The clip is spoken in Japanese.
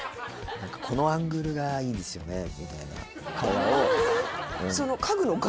このアングルがいいですよねみたいな会話をアングル？